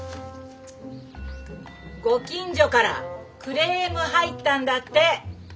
ご近所からクレーム入ったんだって。